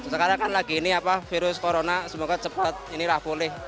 sekarang kan lagi ini apa virus corona semoga cepat inilah pulih